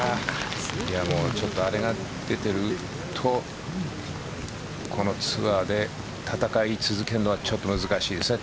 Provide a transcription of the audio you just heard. ちょっとあれが出ているとこのツアーで戦い続けるのはちょっと難しいですね。